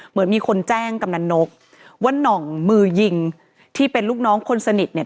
เหมือนมีคนแจ้งกำนันนกว่าน่องมือยิงที่เป็นลูกน้องคนสนิทเนี่ย